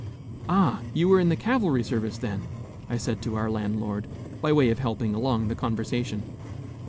"Ah! you were in the cavalry service, then?" I said to our landlord, by way of helping along the conversation.